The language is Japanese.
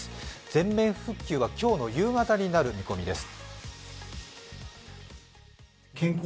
全面復旧が今日の夕方になる見込みです。